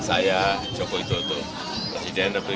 selamat dari raya idul fitri